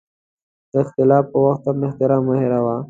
د اختلاف پر وخت هم احترام مه هېروه.